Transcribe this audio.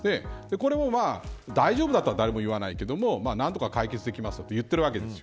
これも大丈夫だとは誰もいわないけど何とか解決できますと言ってるわけです。